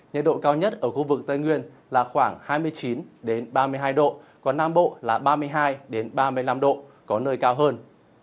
nhiệt độ cao nhất ở khu vực tây nguyên là khoảng hai mươi chín ba mươi hai độ còn nam bộ là ba mươi hai ba mươi năm độ có nơi cao hơn